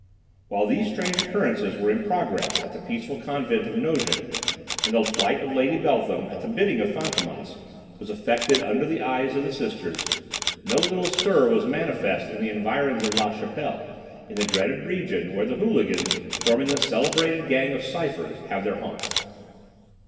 While these strange occurrences were in progress at the peaceful convent of Nogent, and the flight of Lady Beltham at the bidding of Fantômas was effected under the eyes of the sisters, no little stir was manifest in the environs of La Chapelle, in the dreaded region where the hooligans, forming the celebrated gang of Cyphers, have their haunts.